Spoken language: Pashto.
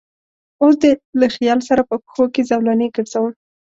اوس دې له خیال سره په پښو کې زولنې ګرځوم